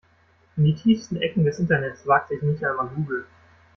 In die tiefsten Ecken des Internets wagt sich nicht einmal Google.